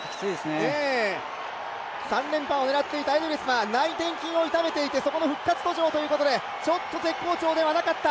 ３連覇を狙っていたエドゥアルドは内転筋を痛めていて、そこの復活途上ということでちょっと絶好調ではなかった。